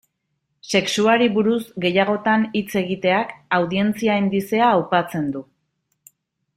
Sexuari buruz gehiagotan hitz egiteak, audientzia indizea aupatzen du.